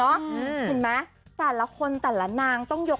เห็นไหมแต่ละคนแต่ละนางต้องยก